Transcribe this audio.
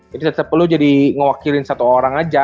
jadi set step lu jadi ngewakilin satu orang aja